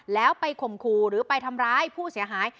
แล้วไปข่มขู่หรือไปทำร้ายผู้เสียหาย